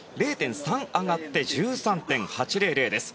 ０．３上がって１３．８００です。